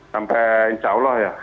sampai insya allah ya